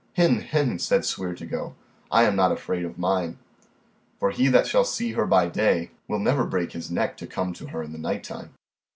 Hin, hen, said Sweer to go, I am not afraid of mine, for he that shall see her by day will never break his neck to come to her in the night time.